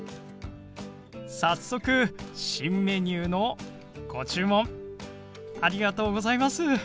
早速新メニューのご注文ありがとうございます！